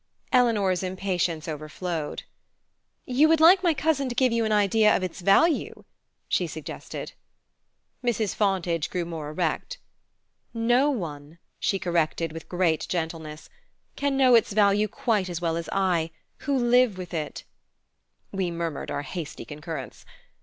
Eleanor's impatience overflowed. "You would like my cousin to give you an idea of its value?" she suggested. Mrs. Fontage grew more erect. "No one," she corrected with great gentleness, "can know its value quite as well as I, who live with it " We murmured our hasty concurrence.